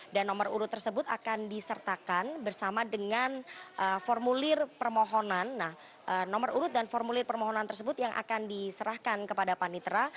dan nomor urut tersebut akan disertakan bersama dengan formulir permohonan nah nomor urut dan formulir permohonan tersebut yang akan diserahkan kepada panitra